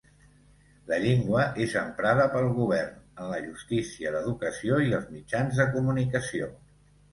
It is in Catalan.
La llengua és emprada pel govern, en la justícia, l'educació i els mitjans de comunicació.